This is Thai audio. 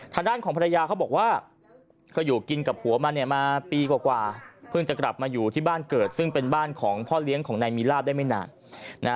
ทางด้านของภรรยาเขาบอกว่าก็อยู่กินกับผัวมาเนี่ยมาปีกว่าเพิ่งจะกลับมาอยู่ที่บ้านเกิดซึ่งเป็นบ้านของพ่อเลี้ยงของนายมีลาบได้ไม่นานนะ